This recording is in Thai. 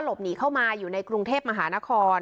หนีเข้ามาอยู่ในกรุงเทพมหานคร